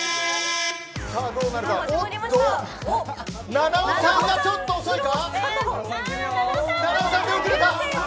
菜々緒さんがちょっと遅いか。